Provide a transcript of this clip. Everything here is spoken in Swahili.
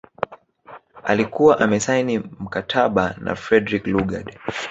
Alikuwa amesaini mkataba na Frederick Lugard